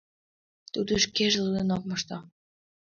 Тудо шкеже лудын ок мошто.